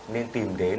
nên tìm đến